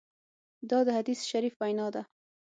دا د حدیث شریف وینا ده.